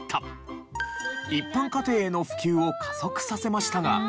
一般家庭への普及を加速させましたが。